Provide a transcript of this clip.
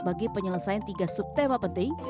bagi penyelesaian tiga subtema penting